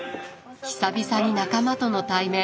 久々に仲間との対面。